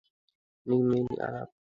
এমনি মেয়েলি আলাপ।